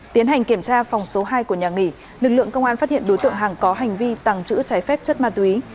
tiến hành kiểm tra phòng số hai của nhà nghỉ lực lượng công an phát hiện đối tượng hằng có hành vi tàng trữ trái phép chất ma túy